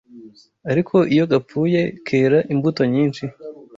ariko iyo gapfuye, kera imbuto nyinshi